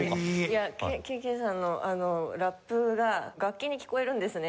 ＫＥＮさんのラップが楽器に聴こえるんですね。